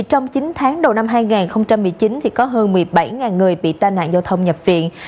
trong chín tháng đầu năm hai nghìn một mươi chín có hơn một mươi bảy người bị tai nạn giao thông nhập viện